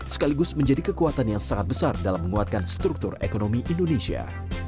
sekaligus menjadi kekuatan yang sangat besar dalam menguatkan struktur ekonomi indonesia